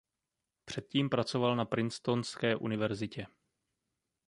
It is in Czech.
Předtím pracoval na Princetonské univerzitě.